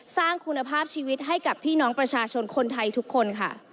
สร้างคุณภาพชีวิตให้กับพี่น้องประชาชนคนไทยทุกคนค่ะ